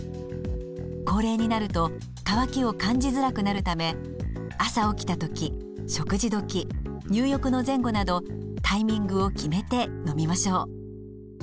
高齢になると渇きを感じづらくなるため朝起きた時食事時入浴の前後などタイミングを決めて飲みましょう。